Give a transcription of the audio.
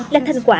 là thành quả